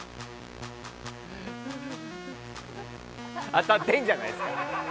当たってるんじゃないですか。